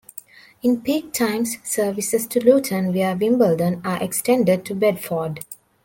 In peak times services to Luton via Wimbledon are extended to Bedford.